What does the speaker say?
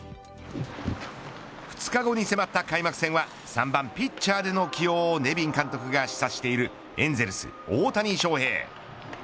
２日後に迫った開幕戦は３番ピッチャーでの起用をネビン監督が示唆しているエンゼルス、大谷翔平。